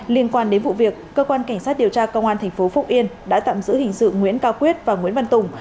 liên quan đến vụ việc cơ quan cảnh sát điều tra công an tp phúc yên đã tạm giữ hình sự nguyễn cao quyết và nguyễn văn tùng